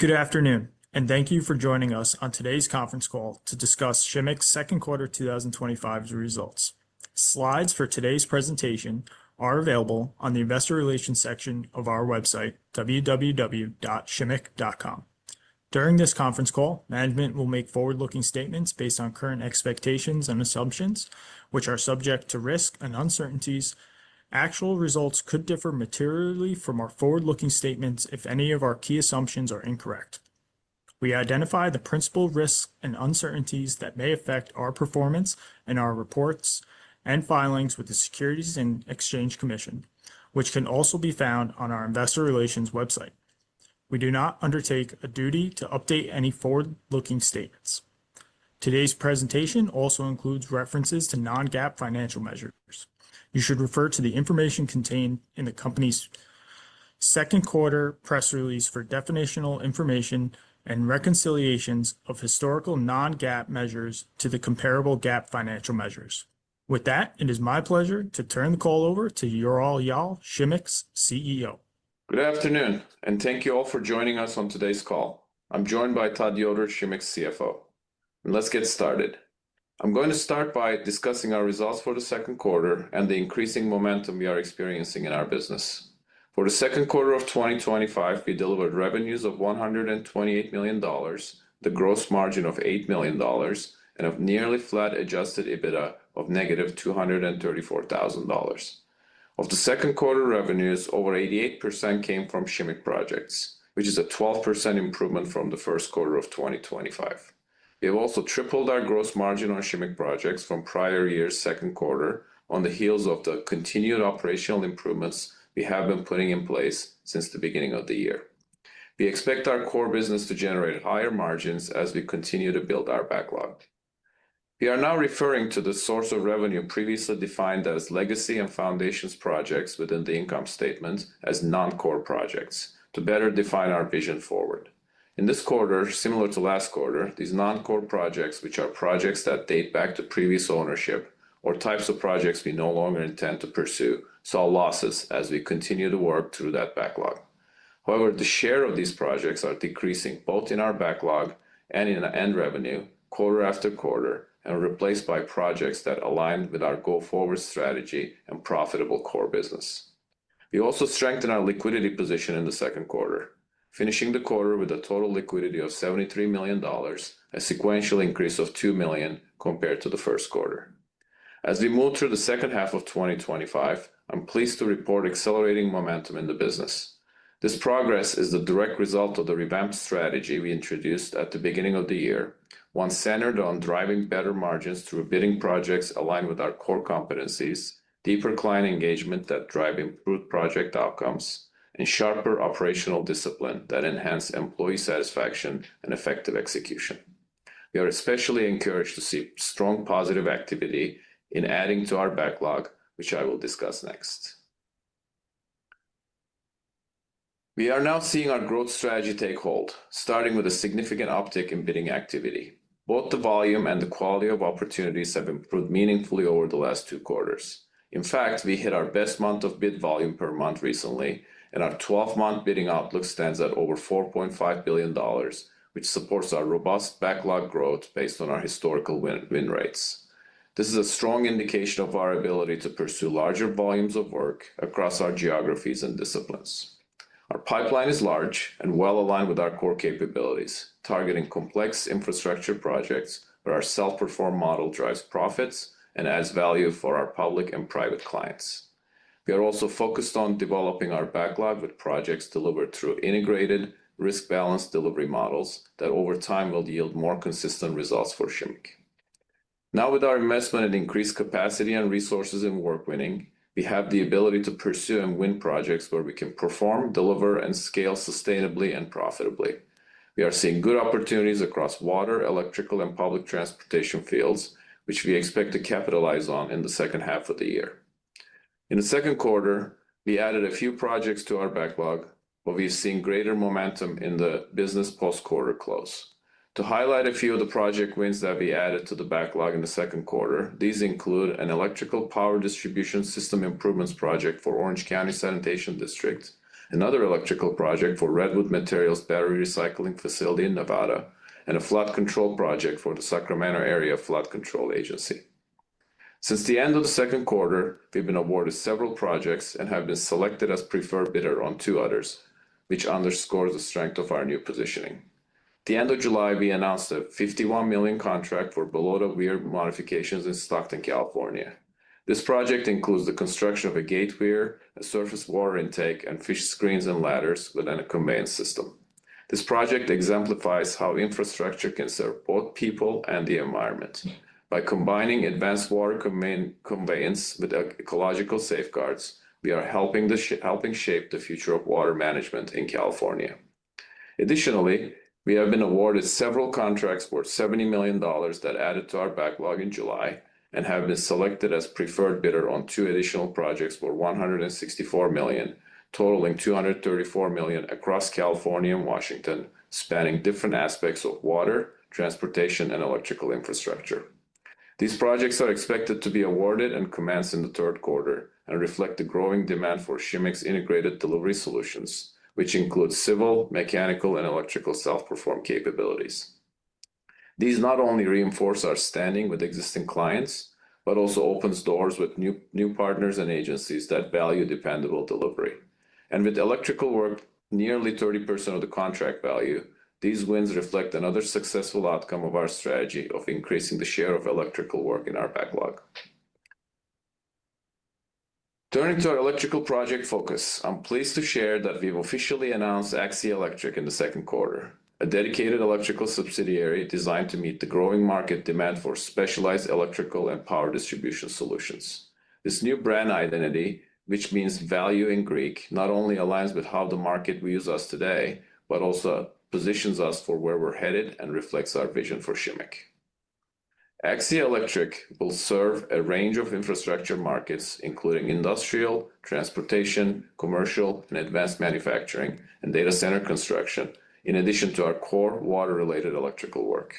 Good afternoon, and thank you for joining us on today's conference call to discuss Shimmick's second quarter 2025 results. Slides for today's presentation are available on the investor relations section of our website, www.shimmick.com. During this conference call, management will make forward-looking statements based on current expectations and assumptions, which are subject to risk and uncertainties. Actual results could differ materially from our forward-looking statements if any of our key assumptions are incorrect. We identify the principal risks and uncertainties that may affect our performance in our reports and filings with the Securities and Exchange Commission, which can also be found on our investor relations website. We do not undertake a duty to update any forward-looking statements. Today's presentation also includes references to non-GAAP financial measures. You should refer to the information contained in the company's second quarter press release for definitional information and reconciliations of historical non-GAAP measures to the comparable GAAP financial measures. With that, it is my pleasure to turn the call over to Ural Yal, Shimmick's CEO. Good afternoon, and thank you all for joining us on today's call. I'm joined by Todd Yoder, Shimmick's CFO. Let's get started. I'm going to start by discussing our results for the second quarter and the increasing momentum we are experiencing in our business. For the second quarter of 2025, we delivered revenues of $128 million, the gross margin of $8 million, and a nearly flat adjusted EBITDA of -$234,000. Of the second quarter revenues, over 88% came from Shimmick projects, which is a 12% improvement from the first quarter of 2025. We have also tripled our gross margin on Shimmick projects from prior year's second quarter on the heels of the continued operational improvements we have been putting in place since the beginning of the year. We expect our core business to generate higher margins as we continue to build our backlog. We are now referring to the source of revenue previously defined as legacy and foundations projects within the income statement as non-core projects to better define our vision forward. In this quarter, similar to last quarter, these non-core projects, which are projects that date back to previous ownership or types of projects we no longer intend to pursue, saw losses as we continue to work through that backlog. However, the share of these projects are decreasing both in our backlog and in our end revenue quarter after quarter and are replaced by projects that align with our go-forward strategy and profitable core business. We also strengthened our liquidity position in the second quarter, finishing the quarter with a total liquidity of $73 million, a sequential increase of $2 million compared to the first quarter. As we move through the second half of 2025, I'm pleased to report accelerating momentum in the business. This progress is the direct result of the revamped strategy we introduced at the beginning of the year, one centered on driving better margins through bidding projects aligned with our core competencies, deeper client engagement that drives improved project outcomes, and sharper operational discipline that enhances employee satisfaction and effective execution. We are especially encouraged to see strong positive activity in adding to our backlog, which I will discuss next. We are now seeing our growth strategy take hold, starting with a significant uptick in bidding activity. Both the volume and the quality of opportunities have improved meaningfully over the last two quarters. In fact, we hit our best month of bid volume per month recently, and our 12-month bidding outlook stands at over $4.5 billion, which supports our robust backlog growth based on our historical win rates. This is a strong indication of our ability to pursue larger volumes of work across our geographies and disciplines. Our pipeline is large and well aligned with our core capabilities, targeting complex infrastructure projects where our self-perform model drives profits and adds value for our public and private clients. We are also focused on developing our backlog with projects delivered through integrated risk-balanced delivery models that over time will yield more consistent results for Shimmick. Now, with our investment in increased capacity and resources in work winning, we have the ability to pursue and win projects where we can perform, deliver, and scale sustainably and profitably. We are seeing good opportunities across water, electrical, and public transportation fields, which we expect to capitalize on in the second half of the year. In the second quarter, we added a few projects to our backlog where we've seen greater momentum in the business post-quarter close. To highlight a few of the project wins that we added to the backlog in the second quarter, these include an electrical power distribution system improvements project for Orange County Sanitation District, another electrical project for Redwood Materials Battery Recycling Facility in Nevada, and a flood control project for the Sacramento Area Flood Control Agency. Since the end of the second quarter, we've been awarded several projects and have been selected as preferred bidder on two others, which underscores the strength of our new positioning. At the end of July, we announced a $51 million contract for Belota Weir Modifications in Stockton, California. This project includes the construction of a gate weir, a surface water intake, and fish screens and ladders within a conveyance system. This project exemplifies how infrastructure can serve both people and the environment. By combining advanced water conveyance with ecological safeguards, we are helping shape the future of water management in California. Additionally, we have been awarded several contracts worth $70 million that added to our backlog in July and have been selected as preferred bidder on two additional projects for $164 million, totaling $234 million across California and Washington, spanning different aspects of water, transportation, and electrical infrastructure. These projects are expected to be awarded and commence in the third quarter and reflect the growing demand for Shimmick's integrated delivery solutions, which include civil, mechanical, and electrical self-perform capabilities. These not only reinforce our standing with existing clients but also open doors with new partners and agencies that value dependable delivery. With electrical work nearly 30% of the contract value, these wins reflect another successful outcome of our strategy of increasing the share of electrical work in our backlog. Turning to our electrical project focus, I'm pleased to share that we've officially announced Axia Electric in the second quarter, a dedicated electrical subsidiary designed to meet the growing market demand for specialized electrical and power distribution solutions. This new brand identity, which means "value" in Greek, not only aligns with how the market views us today but also positions us for where we're headed and reflects our vision for Shimmick. Axia Electric will serve a range of infrastructure markets, including industrial, transportation, commercial, and advanced manufacturing, and data center construction, in addition to our core water-related electrical work.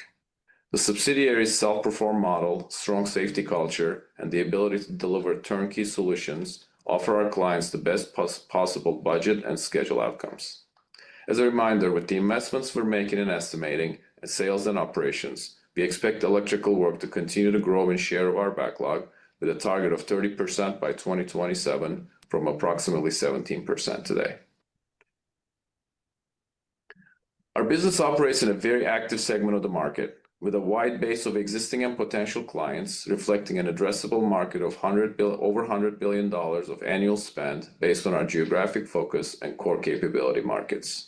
The subsidiary's self-perform model, strong safety culture, and the ability to deliver turnkey solutions offer our clients the best possible budget and schedule outcomes. As a reminder, with the investments we're making in estimating and sales and operations, we expect electrical work to continue to grow in share of our backlog with a target of 30% by 2027, from approximately 17% today. Our business operates in a very active segment of the market, with a wide base of existing and potential clients, reflecting an addressable market of over $100 billion of annual spend based on our geographic focus and core capability markets.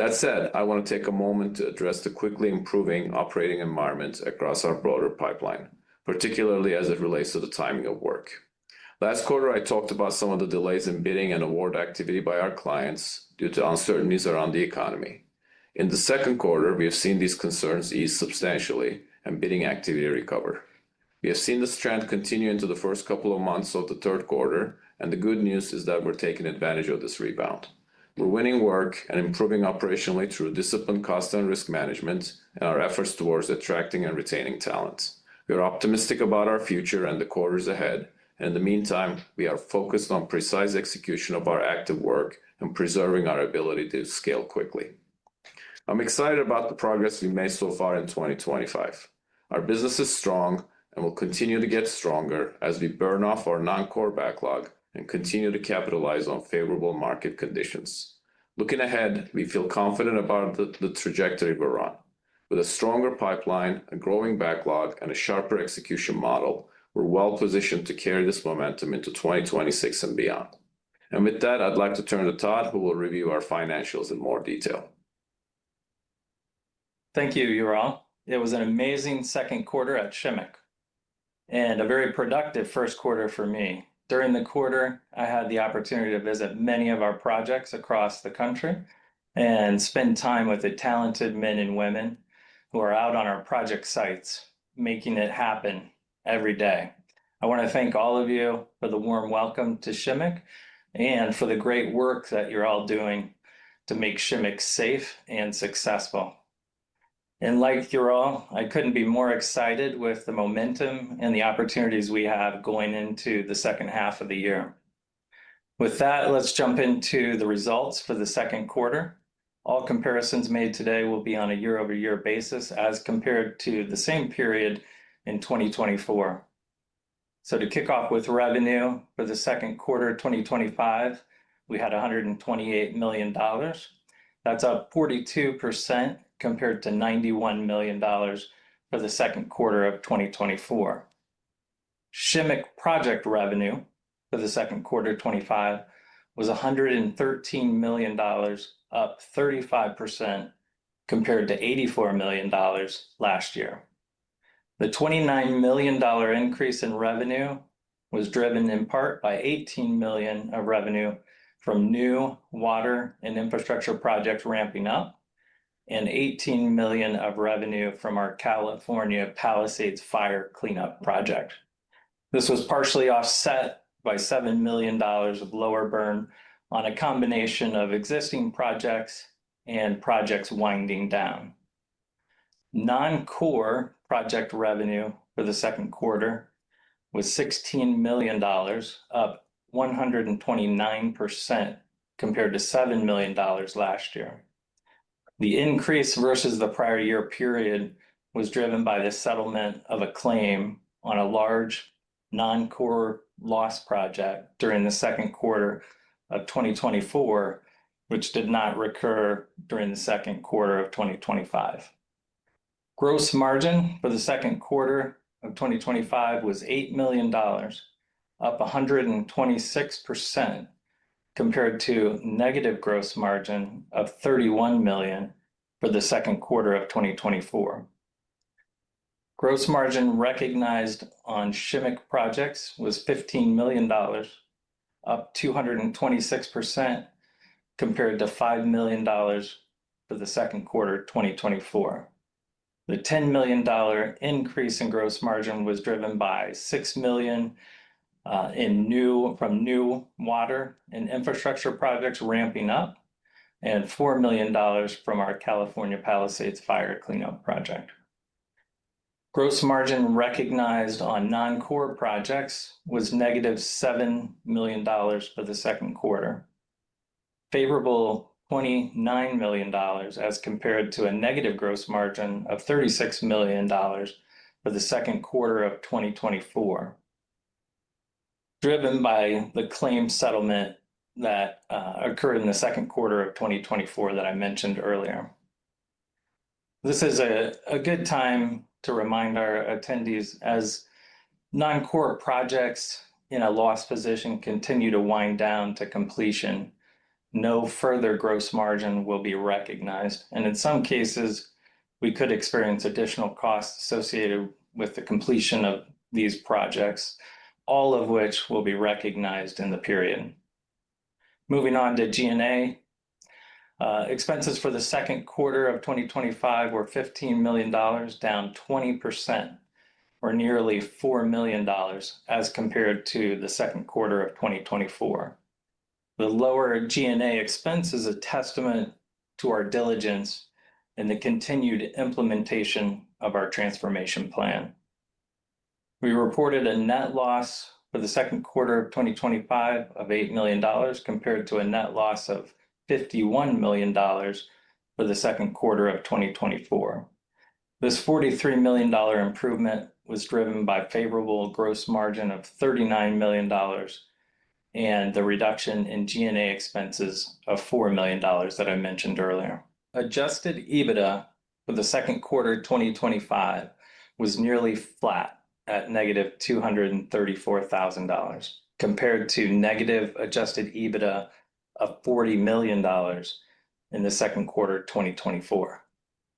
That said, I want to take a moment to address the quickly improving operating environment across our broader pipeline, particularly as it relates to the timing of work. Last quarter, I talked about some of the delays in bidding and award activity by our clients due to uncertainties around the economy. In the second quarter, we have seen these concerns ease substantially and bidding activity recover. We have seen this trend continue into the first couple of months of the third quarter, and the good news is that we're taking advantage of this rebound. We're winning work and improving operationally through discipline, cost, and risk management in our efforts towards attracting and retaining talent. We are optimistic about our future and the quarters ahead. In the meantime, we are focused on precise execution of our active work and preserving our ability to scale quickly. I'm excited about the progress we've made so far in 2025. Our business is strong and will continue to get stronger as we burn off our non-core backlog and continue to capitalize on favorable market conditions. Looking ahead, we feel confident about the trajectory we're on. With a stronger pipeline, a growing backlog, and a sharper execution model, we're well positioned to carry this momentum into 2026 and beyond. With that, I'd like to turn to Todd, who will review our financials in more detail. Thank you, Ural. It was an amazing second quarter at Shimmick and a very productive first quarter for me. During the quarter, I had the opportunity to visit many of our projects across the country and spend time with the talented men and women who are out on our project sites, making it happen every day. I want to thank all of you for the warm welcome to Shimmick and for the great work that you're all doing to make Shimmick safe and successful. Like Ural, I couldn't be more excited with the momentum and the opportunities we have going into the second half of the year. With that, let's jump into the results for the second quarter. All comparisons made today will be on a year-over-year basis as compared to the same period in 2024. To kick off with revenue for the second quarter of 2025, we had $128 million. That's up 42% compared to $91 million for the second quarter of 2024. Shimmick project revenue for the second quarter of 2025 was $113 million, up 35% compared to $84 million last year. The $29 million increase in revenue was driven in part by $18 million of revenue from new water and infrastructure projects ramping up and $18 million of revenue from our California Palisades fire clean-up project. This was partially offset by $7 million of lower burn on a combination of existing projects and projects winding down. Non-core project revenue for the second quarter was $16 million, up 129% compared to $7 million last year. The increase versus the prior year period was driven by the settlement of a claim on a large non-core loss project during the second quarter of 2024, which did not recur during the second quarter of 2025. Gross margin for the second quarter of 2025 was $8 million, up 126% compared to a negative gross margin of $31 million for the second quarter of 2024. Gross margin recognized on Shimmick projects was $15 million, up 226% compared to $5 million for the second quarter of 2024. The $10 million increase in gross margin was driven by $6 million from new water and infrastructure projects ramping up and $4 million from our California Palisades fire clean-up project. Gross margin recognized on non-core projects was -$7 million for the second quarter, favorable $29 million as compared to a negative gross margin of $36 million for the second quarter of 2024, driven by the claim settlement that occurred in the second quarter of 2024 that I mentioned earlier. This is a good time to remind our attendees as non-core projects in a loss position continue to wind down to completion, no further gross margin will be recognized. In some cases, we could experience additional costs associated with the completion of these projects, all of which will be recognized in the period. Moving on to G&A, expenses for the second quarter of 2025 were $15 million, down 20%, or nearly $4 million as compared to the second quarter of 2024. The lower G&A expense is a testament to our diligence and the continued implementation of our transformation plan. We reported a net loss for the second quarter of 2025 of $8 million compared to a net loss of $51 million for the second quarter of 2024. This $43 million improvement was driven by a favorable gross margin of $39 million and the reduction in G&A expenses of $4 million that I mentioned earlier. Adjusted EBITDA for the second quarter of 2025 was nearly flat at -$234,000 compared to negative adjusted EBITDA of $40 million in the second quarter of 2024.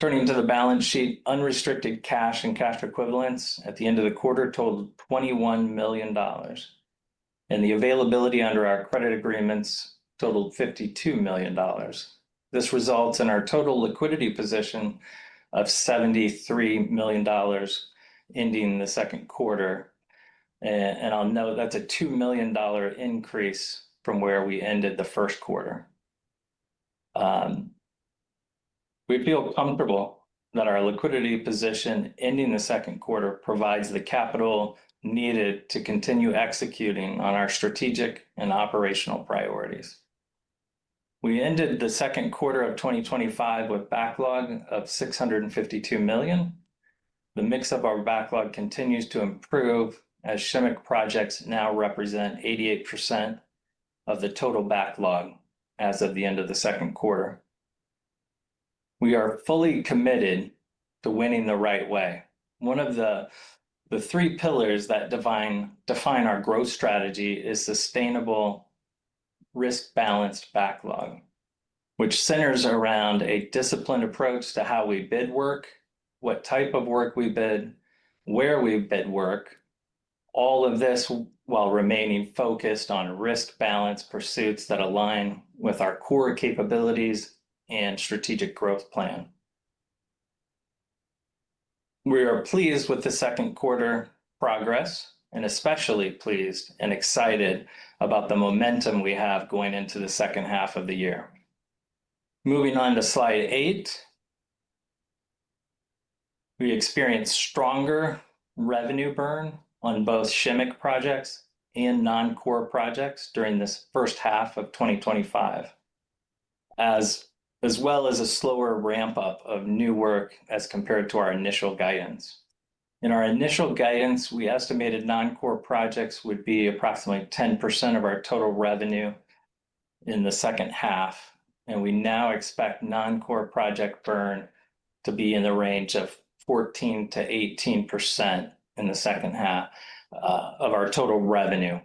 Turning to the balance sheet, unrestricted cash and cash equivalents at the end of the quarter totaled $21 million, and the availability under our credit agreements totaled $52 million. This results in our total liquidity position of $73 million ending the second quarter. I'll note that's a $2 million increase from where we ended the first quarter. We feel comfortable that our liquidity position ending the second quarter provides the capital needed to continue executing on our strategic and operational priorities. We ended the second quarter of 2025 with a backlog of $652 million. The mix of our backlog continues to improve as Shimmick projects now represent 88% of the total backlog as of the end of the second quarter. We are fully committed to winning the right way. One of the three pillars that define our growth strategy is sustainable, risk-balanced backlog, which centers around a disciplined approach to how we bid work, what type of work we bid, where we bid work, all of this while remaining focused on risk-balanced pursuits that align with our core capabilities and strategic growth plan. We are pleased with the second quarter progress and especially pleased and excited about the momentum we have going into the second half of the year. Moving on to slide eight, we experienced stronger revenue burn on both Shimmick projects and non-core projects during this first half of 2025, as well as a slower ramp-up of new work as compared to our initial guidance. In our initial guidance, we estimated non-core projects would be approximately 10% of our total revenue in the second half, and we now expect non-core project burn to be in the range of 14%-18% in the second half of our total revenue.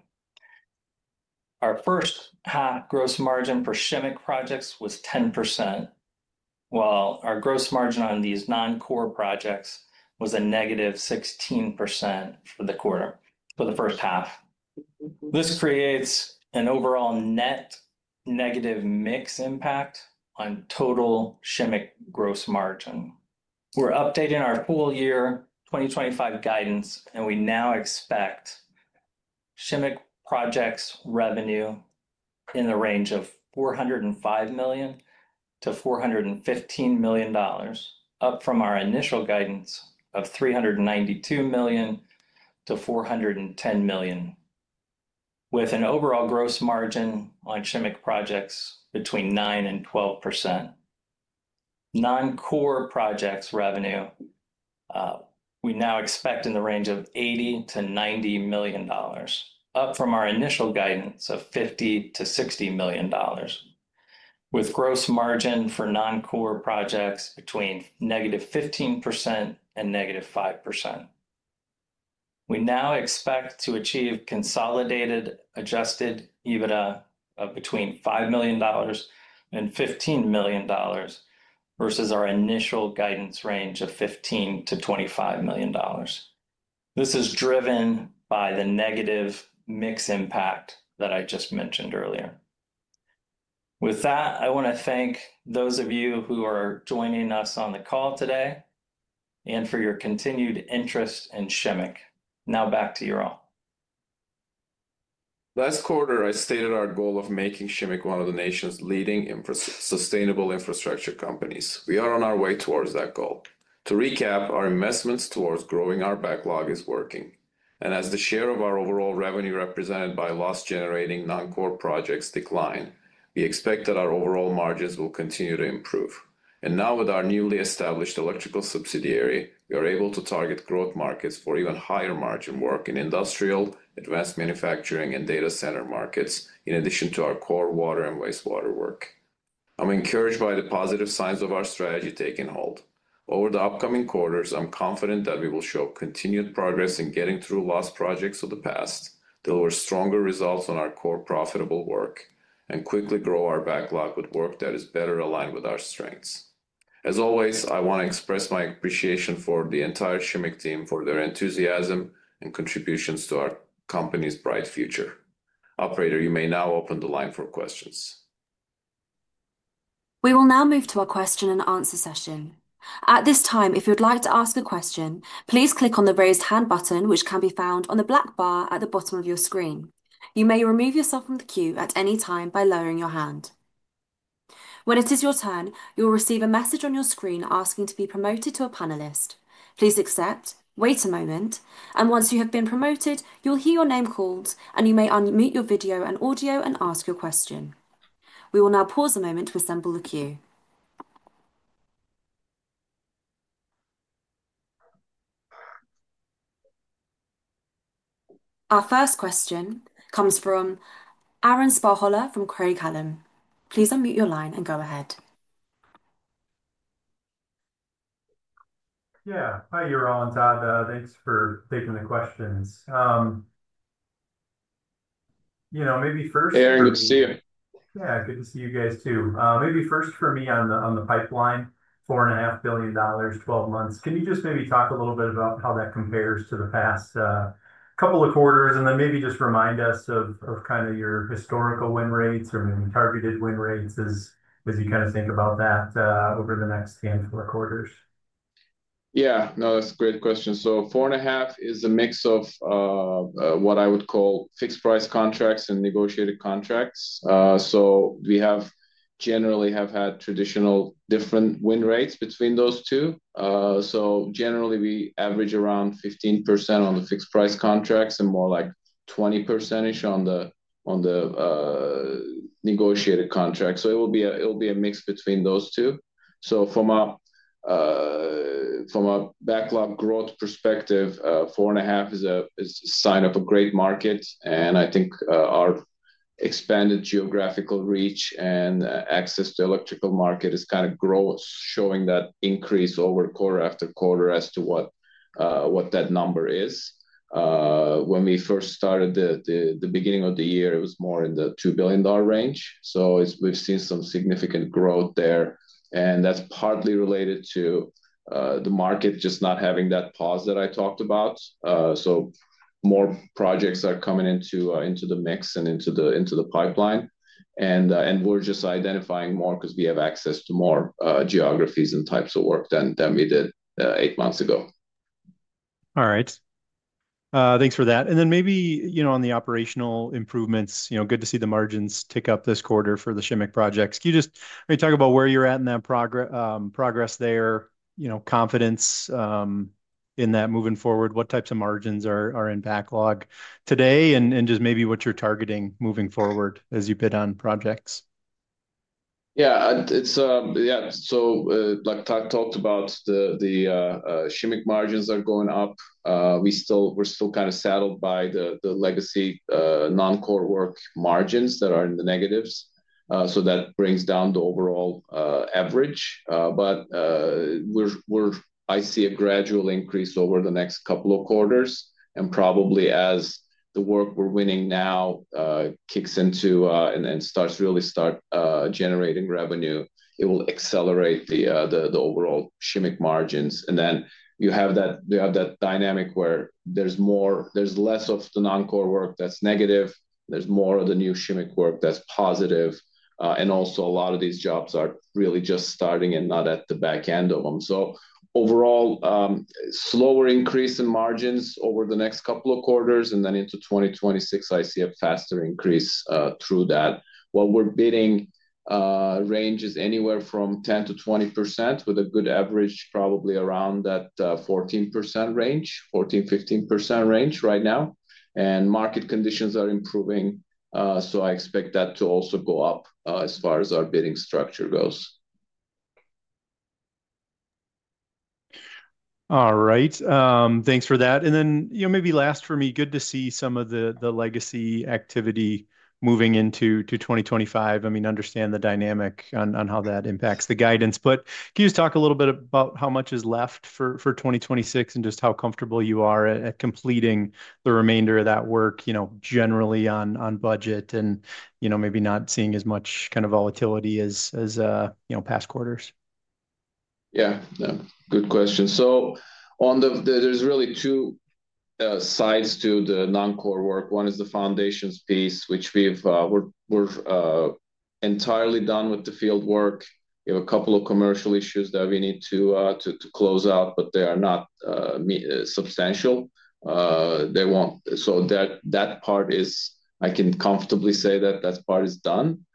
Our first half gross margin for Shimmick projects was 10%, while our gross margin on these non-core projects was a -16% for the quarter, for the first half. This creates an overall net negative mix impact on total Shimmick gross margin. We're updating our whole year 2025 guidance, and we now expect Shimmick projects' revenue in the range of $405 million-$415 million, up from our initial guidance of $392 million-$410 million, with an overall gross margin on Shimmick projects between 9%-12%. Non-core projects' revenue we now expect in the range of $80 million-$90 million, up from our initial guidance of $50 million-$60 million, with gross margin for non-core projects between -15% and -5%. We now expect to achieve consolidated adjusted EBITDA of between $5 million-$15 million versus our initial guidance range of $15 million-$25 million. This is driven by the negative mix impact that I just mentioned earlier. With that, I want to thank those of you who are joining us on the call today and for your continued interest in Shimmick. Now back to you, Ural. Last quarter, I stated our goal of making Shimmick one of the nation's leading sustainable infrastructure companies. We are on our way towards that goal. To recap, our investments towards growing our backlog are working. As the share of our overall revenue represented by loss-generating non-core projects declines, we expect that our overall margins will continue to improve. Now, with our newly established electrical subsidiary, we are able to target growth markets for even higher margin work in industrial, advanced manufacturing, and data center markets, in addition to our core water and wastewater work. I'm encouraged by the positive signs of our strategy taking hold. Over the upcoming quarters, I'm confident that we will show continued progress in getting through loss projects of the past, deliver stronger results on our core profitable work, and quickly grow our backlog with work that is better aligned with our strengths. As always, I want to express my appreciation for the entire Shimmick team for their enthusiasm and contributions to our company's bright future. Operator, you may now open the line for questions. We will now move to a question and answer session. At this time, if you would like to ask a question, please click on the raised hand button, which can be found on the black bar at the bottom of your screen. You may remove yourself from the queue at any time by lowering your hand. When it is your turn, you will receive a message on your screen asking to be promoted to a panelist. Please accept, wait a moment, and once you have been promoted, you will hear your name called, and you may unmute your video and audio and ask your question. We will now pause a moment to assemble the queue. Our first question comes from Aaron Spychalla from Craig-Hallum. Please unmute your line and go ahead. Yeah. Hi, Ural and Todd. Thanks for taking the questions. Maybe first. Aaron, good to see you. Yeah, good to see you guys too. Maybe first for me on the pipeline, $4.5 billion, 12 months. Can you just maybe talk a little bit about how that compares to the past couple of quarters, and then maybe just remind us of kind of your historical win rates or targeted win rates as you kind of think about that over the next handful of quarters? Yeah, no, that's a great question. $4.5 billion is a mix of what I would call fixed price contracts and negotiated contracts. We have generally had traditional different win rates between those two. We average around 15% on the fixed price contracts and more like 20% on the negotiated contracts. It will be a mix between those two. From a backlog growth perspective, $4.5 billion is a sign of a great market. I think our expanded geographical reach and access to the electrical market is kind of showing that increase quarter after quarter as to what that number is. When we first started at the beginning of the year, it was more in the $2 billion range. We've seen some significant growth there. That's partly related to the market just not having that pause that I talked about. More projects are coming into the mix and into the pipeline. We're just identifying more because we have access to more geographies and types of work than we did eight months ago. All right. Thanks for that. Maybe on the operational improvements, good to see the margins tick up this quarter for the Shimmick projects. Can you just maybe talk about where you're at in that progress there, confidence in that moving forward? What types of margins are in backlog today and just maybe what you're targeting moving forward as you bid on projects? Yeah. Like Todd talked about, the Shimmick margins are going up. We're still kind of saddled by the legacy non-core work margins that are in the negatives, so that brings down the overall average. I see a gradual increase over the next couple of quarters. Probably as the work we're winning now kicks in and starts really generating revenue, it will accelerate the overall Shimmick margins. You have that dynamic where there's less of the non-core work that's negative and more of the new Shimmick work that's positive. Also, a lot of these jobs are really just starting and not at the back end of them. Overall, slower increase in margins over the next couple of quarters, and then into 2026, I see a faster increase through that. What we're bidding ranges anywhere from 10%-20%, with a good average probably around that 14%-15% range right now. Market conditions are improving, so I expect that to also go up as far as our bidding structure goes. All right. Thanks for that. Maybe last for me, good to see some of the legacy activity moving into 2025. I mean, understand the dynamic on how that impacts the guidance. Can you just talk a little bit about how much is left for 2026 and just how comfortable you are at completing the remainder of that work, you know, generally on budget and, you know, maybe not seeing as much kind of volatility as, you know, past quarters? Yeah, good question. On the, there's really two sides to the non-core work. One is the foundations piece, which we've entirely done with the field work. We have a couple of commercial issues that we need to close out, but they are not substantial. I can comfortably say that that part is done.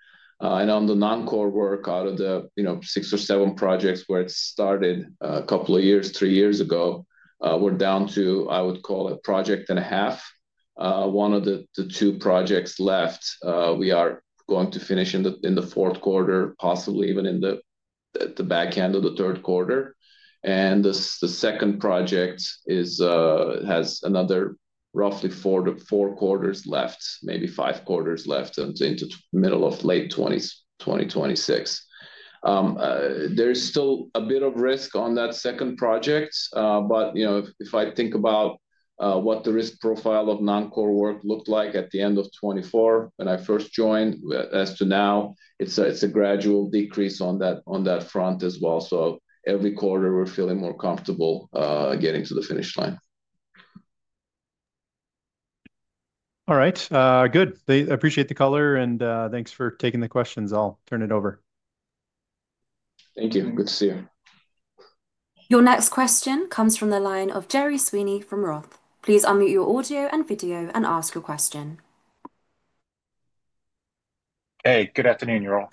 On the non-core work, out of the, you know, six or seven projects where it started a couple of years, three years ago, we're down to, I would call it, a project and a half. One of the two projects left, we are going to finish in the fourth quarter, possibly even in the back end of the third quarter. The second project has another roughly four quarters left, maybe five quarters left until the middle of late 2026. There's still a bit of risk on that second project. If I think about what the risk profile of non-core work looked like at the end of 2024 when I first joined, as to now, it's a gradual decrease on that front as well. Every quarter, we're feeling more comfortable getting to the finish line. All right. Good. I appreciate the color, and thanks for taking the questions. I'll turn it over. Thank you. Good to see you. Your next question comes from the line of Gerry Sweeney from ROTH. Please unmute your audio and video and ask your question. Hey, good afternoon, Ural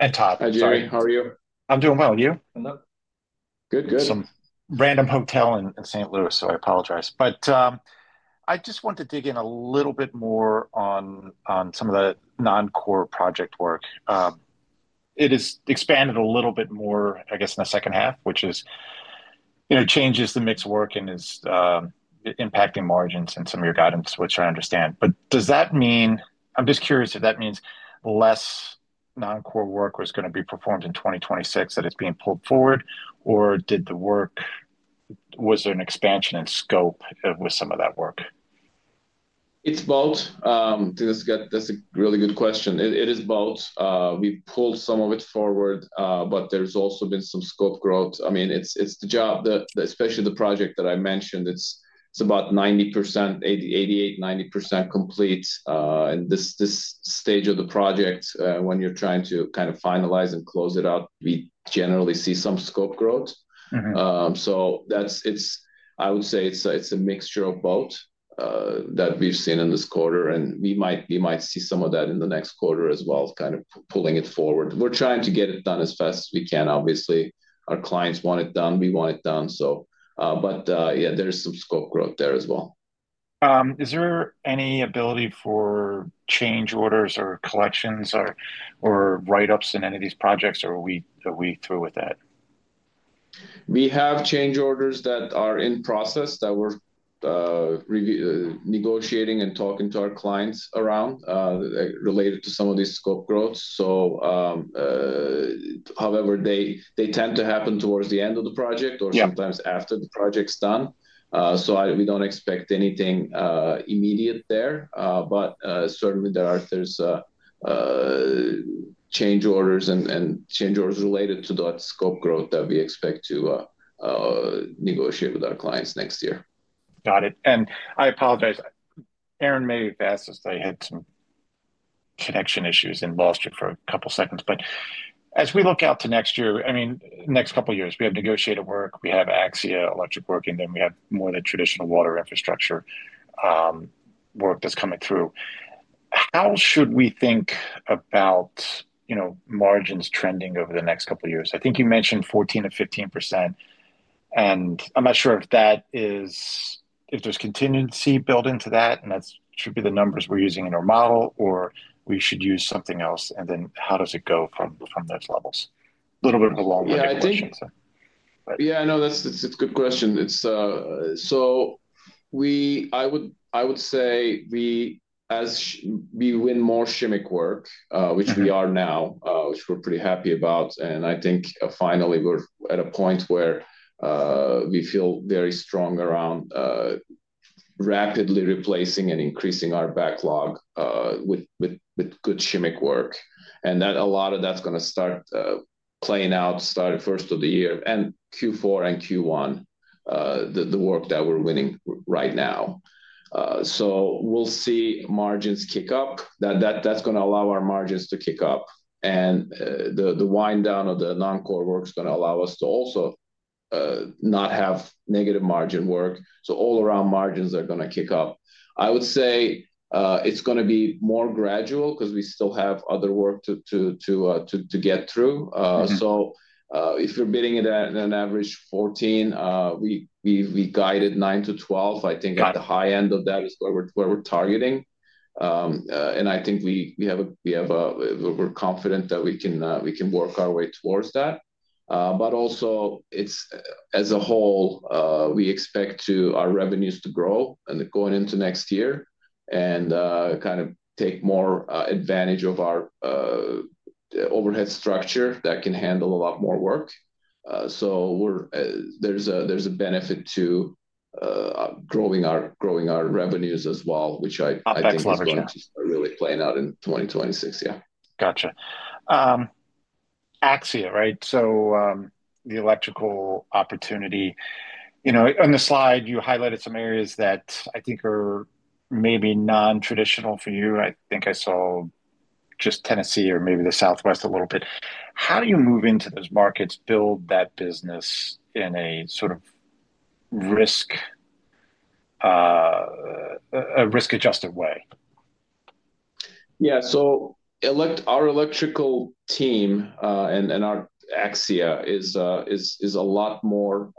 and Todd. Hi, Gerry. How are you? I'm doing well. You? Good, good. some random hotel in St. Louis, so I apologize. I just want to dig in a little bit more on some of the non-core project work. It has expanded a little bit more, I guess, in the second half, which changes the mix of work and is impacting margins in some of your guidance, which I understand. Does that mean, I'm just curious if that means less non-core work was going to be performed in 2026 that is being pulled forward, or did the work, was there an expansion in scope with some of that work? It's both. That's a really good question. It is both. We pulled some of it forward, but there's also been some scope growth. I mean, it's the job, especially the project that I mentioned, it's about 90%, 88%, 90% complete. In this stage of the project, when you're trying to kind of finalize and close it out, we generally see some scope growth. I would say it's a mixture of both that we've seen in this quarter. We might see some of that in the next quarter as well, kind of pulling it forward. We're trying to get it done as fast as we can. Obviously, our clients want it done. We want it done. There's some scope growth there as well. Is there any ability for change orders or collections or write-ups in any of these projects, or are we through with that? We have change orders that are in process that we're negotiating and talking to our clients around related to some of these scope growths. However, they tend to happen towards the end of the project or sometimes after the project's done. We don't expect anything immediate there. Certainly, there are change orders and change orders related to that scope growth that we expect to negotiate with our clients next year. Got it. I apologize. Aaron may have asked this. I had some connection issues and lost you for a couple of seconds. As we look out to next year, I mean, the next couple of years, we have negotiated work, we have Axia Electric work, and then we have more of the traditional water infrastructure work that's coming through. How should we think about, you know, margins trending over the next couple of years? I think you mentioned 14%-15%. I'm not sure if that is, if there's contingency built into that, and that should be the numbers we're using in our model, or we should use something else. How does it go from those levels? A little bit of a long way to answer that. Yeah, that's a good question. I would say we, as we win more Shimmick work, which we are now, which we're pretty happy about, finally, we're at a point where we feel very strong around rapidly replacing and increasing our backlog with good Shimmick work. A lot of that's going to start playing out, start the first of the year, and Q4 and Q1, the work that we're winning right now. We'll see margins kick up. That's going to allow our margins to kick up. The wind-down of the non-core work is going to allow us to also not have negative margin work. All-around margins are going to kick up. I would say it's going to be more gradual because we still have other work to get through. If you're bidding it at an average of 14%, we guide it 9%-12%. I think at the high end of that is where we're targeting. I think we have a, we're confident that we can work our way towards that. Also, as a whole, we expect our revenues to grow going into next year and kind of take more advantage of our overhead structure that can handle a lot more work. There's a benefit to growing our revenues as well, which I think is going to start really playing out in 2026. Yeah. Gotcha. Axia, right? The electrical opportunity, you know, on the slide, you highlighted some areas that I think are maybe non-traditional for you. I think I saw just Tennessee or maybe the Southwest a little bit. How do you move into those markets, build that business in a sort of risk-adjusted way? Yeah. Our electrical team and our Axia is a lot more,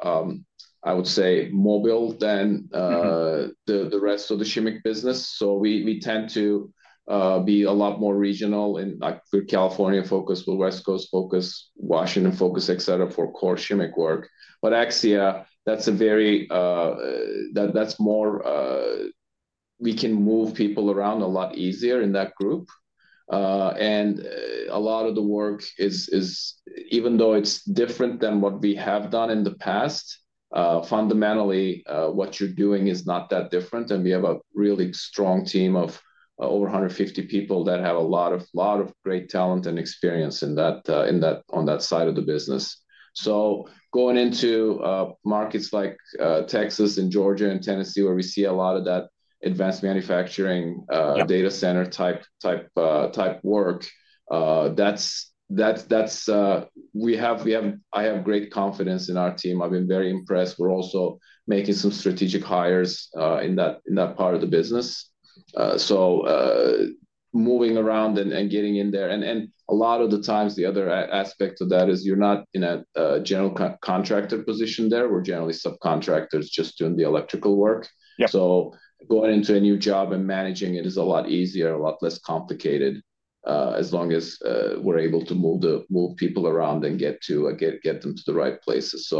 I would say, mobile than the rest of the Shimmick business. We tend to be a lot more regional and like California-focused, West Coast-focused, Washington-focused, etc. for core Shimmick work. Axia, that's a very, that's more, we can move people around a lot easier in that group. A lot of the work is, even though it's different than what we have done in the past, fundamentally, what you're doing is not that different. We have a really strong team of over 150 people that have a lot of great talent and experience in that side of the business. Going into markets like Texas and Georgia and Tennessee, where we see a lot of that advanced manufacturing, data center type work, that's, we have, I have great confidence in our team. I've been very impressed. We're also making some strategic hires in that part of the business. Moving around and getting in there, a lot of the times, the other aspect of that is you're not in a general contractor position there. We're generally subcontractors just doing the electrical work. Going into a new job and managing it is a lot easier, a lot less complicated, as long as we're able to move people around and get them to the right places.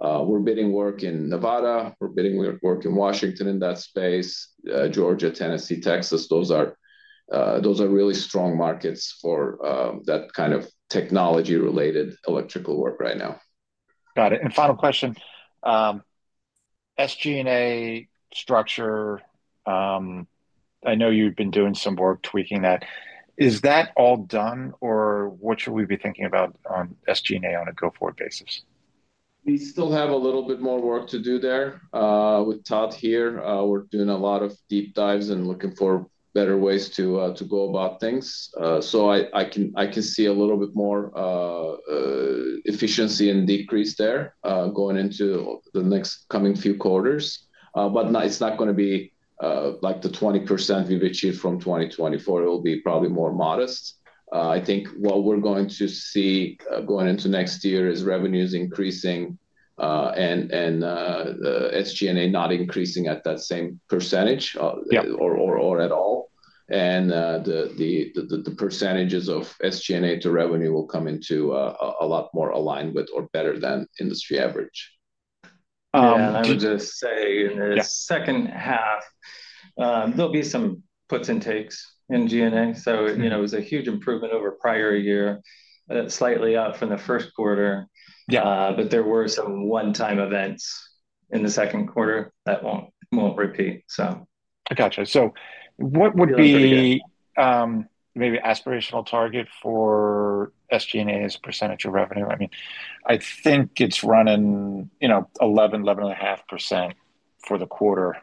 We're bidding work in Nevada. We're bidding work in Washington in that space. Georgia, Tennessee, Texas, those are really strong markets for that kind of technology-related electrical work right now. Got it. Final question. SG&A structure, I know you've been doing some work tweaking that. Is that all done, or what should we be thinking about on SG&A on a go-forward basis? We still have a little bit more work to do there. With Todd here, we're doing a lot of deep dives and looking for better ways to go about things. I can see a little bit more efficiency and decrease there going into the next coming few quarters. It's not going to be like the 20% we've achieved from 2024. It will be probably more modest. I think what we're going to see going into next year is revenues increasing and SG&A not increasing at that same percentage or at all. The percentages of SG&A to revenue will come into a lot more aligned with or better than industry average. I would just say in the second half, there'll be some puts and takes in G&A. It was a huge improvement over prior year, slightly up from the first quarter. There were some one-time events in the second quarter that won't repeat. I gotcha. What would be the maybe aspirational target for SG&A as a percentage of revenue? I think it's running, you know, 11%, 11.5% for the quarter,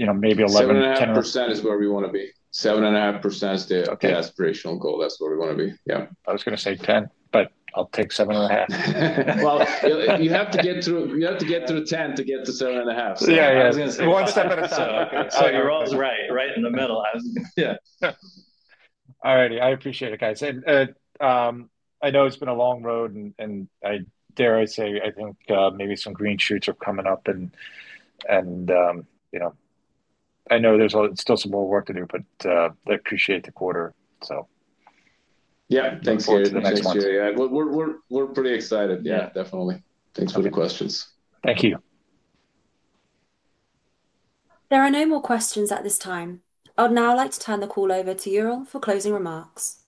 you know, maybe 11%. is where we want to be. 7.5% is the aspirational goal. That's where we want to be. I was going to say 10%, but I'll take 7.5%. You have to get through 10% to get to 7.5%. Yeah, yeah, one step at a time. Oh, Ural Yal's right, right in the middle. All righty. I appreciate it, guys. I know it's been a long road. I dare I say, I think maybe some green future coming up. I know there's still some more work to do, but I appreciate the quarter. Thanks for the question. We're pretty excited. Definitely, thanks for the questions. Thank you. There are no more questions at this time. I'd now like to turn the call over to Ural for closing remarks.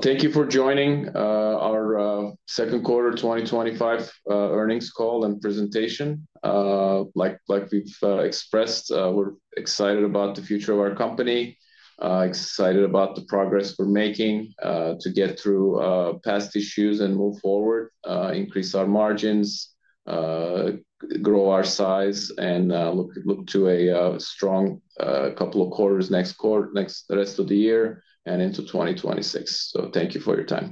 Thank you for joining our second quarter 2025 earnings call and presentation. Like we've expressed, we're excited about the future of our company, excited about the progress we're making to get through past issues and move forward, increase our margins, grow our size, and look to a strong couple of quarters next quarter, next rest of the year and into 2026. Thank you for your time.